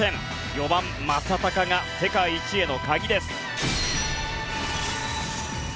４番、正尚が世界一への鍵です。